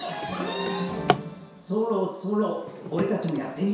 そろそろオレたちもやってみるか。